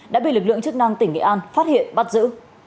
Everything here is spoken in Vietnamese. đã bị lực lượng chức năng tỉnh nghệ an phát hiện bắt giữ